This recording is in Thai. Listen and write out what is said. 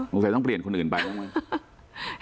หรือว่าต้องเปลี่ยนคนอื่นไปหรือเปล่า